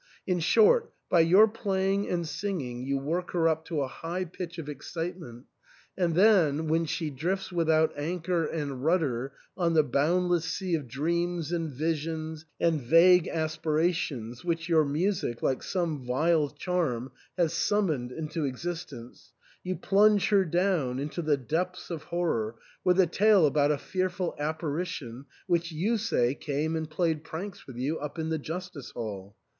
In short, by your playing and singing you work her up to a high pitch of excite ment, and then, when she drifts without anchor and rudder on the boundless sea of dreams and visions and vague aspirations which your music, like some vile charm, has summoned into existence, you plunge her down into the depths of horror with a tale about a fearful apparition which you say came and played pranks with you up in the justice hall.